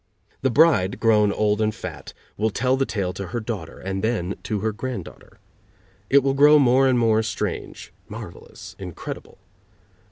The bride, grown old and fat, will tell the tale to her daughter, and then to her granddaughter. It will grow more and more strange, marvelous, incredible.